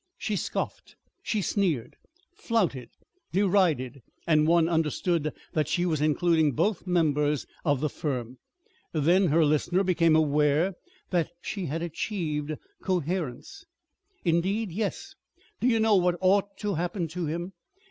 She scoffed, she sneered, flouted, derided, and one understood that she was including both members of the firm. Then her listener became aware that she had achieved coherence. "Indeed, yes! Do you know what ought to happen to him?